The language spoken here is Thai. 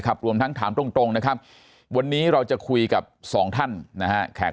ครับรวมทั้งถามตรงนะครับวันนี้เราจะคุยกับ๒ท่านแขก